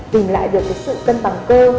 tìm lại được sự cân bằng cơ